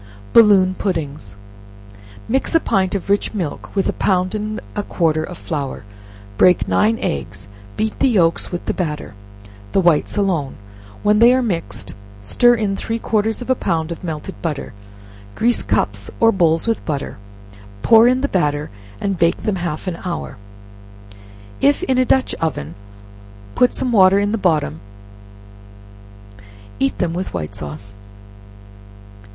Balloon Puddings. Mix a pint of rich milk with a pound and a quarter of flour; break nine eggs; beat the yelks with the batter, the whites alone; when they are mixed, stir in three quarters of a pound of melted butter; grease cups or bowls with butter; pour in the batter, and bake them half an hour; if in a dutch oven, put some water in the bottom; eat them with white sauce.